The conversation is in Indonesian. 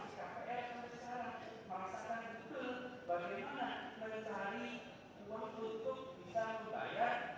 saya masih kps besar masakan itu bagaimana mencari uang untuk bisa membayar daun krim